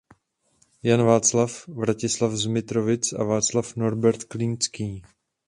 Jan Václav Vratislav z Mitrovic a Václav Norbert Kinský.